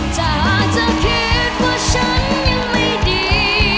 ถ้าเธอคิดว่าฉันยังไม่ดี